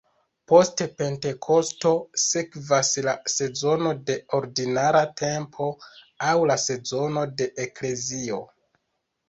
Post Pentekosto sekvas la sezono de "Ordinara tempo", aŭ la sezono de la Eklezio.